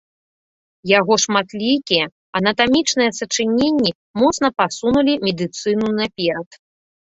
Яго шматлікія анатамічныя сачыненні моцна пасунулі медыцыну наперад.